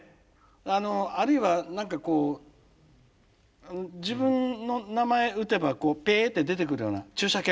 あのあるいは何かこう自分の名前打てばこうペッて出てくるような注射券。